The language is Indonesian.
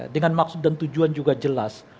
dengan maksud dan tujuan juga jelas